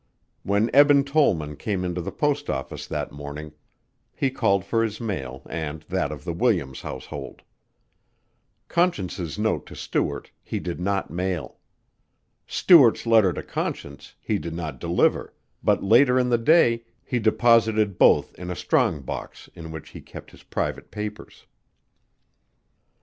When Eben Tollman came into the post office that morning, he called for his mail and that of the Williams household. Conscience's note to Stuart he did not mail. Stuart's letter to Conscience he did not deliver, but later in the day he deposited both in a strong box in which he kept his private papers.